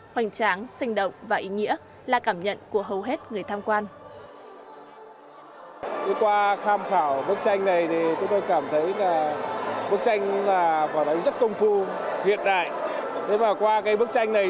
hoành tráng sinh động và ý nghĩa là cảm nhận của hầu hết người tham quan